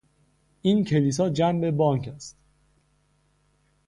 این کلیسا جَنب بانک است.